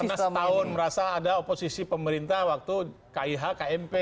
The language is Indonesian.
karena setahun merasa ada oposisi pemerintah waktu kih kmp